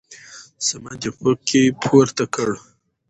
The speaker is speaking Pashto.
صمد يې په کې پورته کړ.